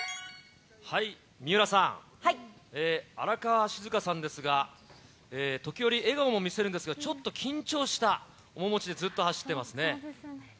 水卜さん、荒川静香さんですが、時折笑顔も見せるんですが、ちょっと緊張した面持ちで、ずっと走ってますね。